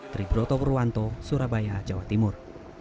dari broto purwanto surabaya jawa timur